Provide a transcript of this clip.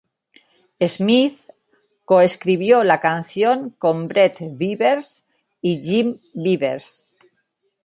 Smith co-escribió la canción con Brett Beavers y Jim Beavers.